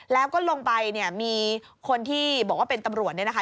แล้วก็ลงไปเนี่ยมีคนที่บอกว่าเป็นตำรวจเนี่ยนะคะ